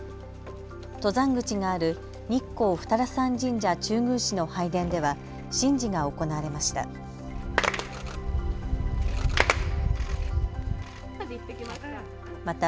登山口がある日光二荒山神社中宮祠の拝殿では神事が行われました。